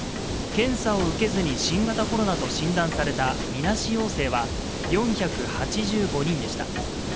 検査を受けずに新型コロナと診断されたみなし陽性は４８５人でした。